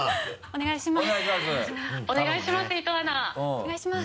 お願いします。